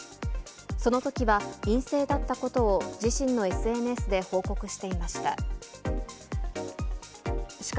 そのときは陰性だったことを自身のＳＮＳで報告していました。